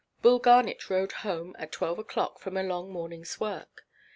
Bull Garnet rode home at twelve oʼclock from a long morningʼs work.